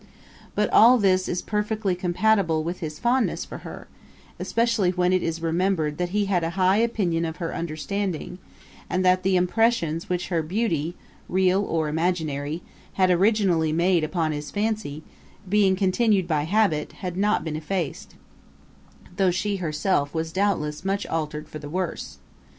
But all this is perfectly compatible with his fondness for her, especially when it is remembered that he had a high opinion of her understanding, and that the impressions which her beauty, real or imaginary, had originally made upon his fancy, being continued by habit, had not been effaced, though she herself was doubtless much altered for the worse.